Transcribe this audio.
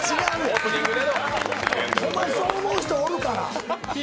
ホンマにそう思う人おるから。